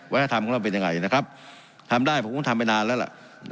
วัฒนธรรมของเราเป็นยังไงนะครับทำได้ผมก็ทำไปนานแล้วล่ะ